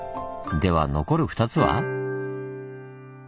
では残る２つは？